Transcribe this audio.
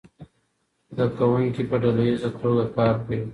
زده کوونکي په ډله ییزه توګه کار کوي.